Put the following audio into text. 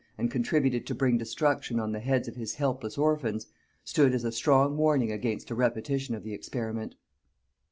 and contributed to bring destruction on the heads of his helpless orphans, stood as a strong warning against a repetition of the experiment.